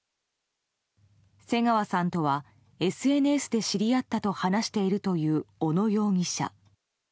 瀬川さんとはＳＮＳで知り合ったと話しているという小野容疑者。